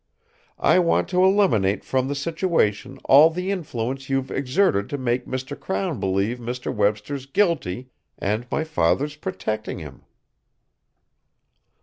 I want to eliminate from the situation all the influence you've exerted to make Mr. Crown believe Mr. Webster's guilty and my father's protecting him."